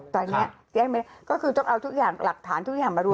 ตอนนี้แจ้งไปก็คือต้องเอาทุกอย่างหลักฐานทุกอย่างมารวม